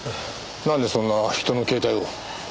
なんでそんな人の携帯を。